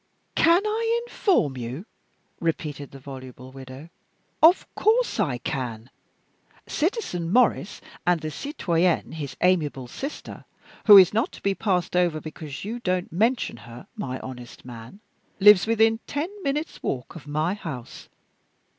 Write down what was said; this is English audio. "Can I inform you?" repeated the voluble widow. "Of course I can! Citizen Maurice, and the citoyenne, his amiable sister who is not to be passed over because you don't mention her, my honest man lives within ten minutes' walk of my house.